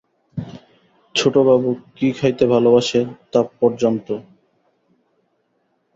ছোটবাবু কী খাইতে ভালোবাসে তা পর্যন্ত।